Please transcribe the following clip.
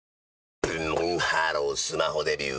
ブンブンハロースマホデビュー！